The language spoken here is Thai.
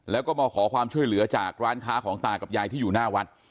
แล้วก็มาขอความช่วยเหลือจากร้านค้าของตากับยายที่อยู่หน้าวัด